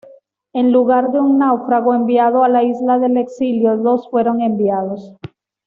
En lugar de un náufrago enviado a la Isla del exilio, dos fueron enviados.